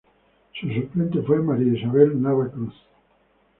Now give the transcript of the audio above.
Su suplente fue María Isabel Nava Cruz.